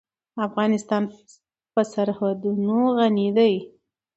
افغانستان په سرحدونه غني دی.